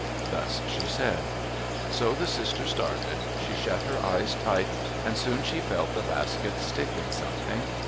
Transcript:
Thus she said. So the sister started. She shut her eyes tight, and soon she felt the basket stick in something.